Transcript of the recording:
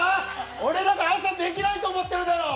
俺らが朝できないと思ってるだろう！